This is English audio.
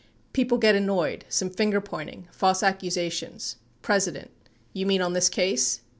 People get annoyed — some fingerpointing — false accu sations — P. You mean on this case?